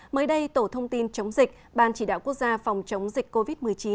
mới đây tổ thông tin chống dịch ban chỉ đạo quốc gia phòng chống dịch covid một mươi chín